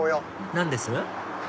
何です？